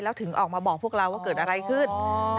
แล้วถึงออกมาบอกพวกเราว่าเกิดอะไรขึ้น